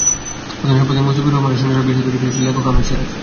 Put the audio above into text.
প্রধান সম্পাদক মোস্তাফিজুর রহমানের সঞ্চালনায় বিশেষ অতিথি ছিলেন লেখক আহমদ সিরাজ।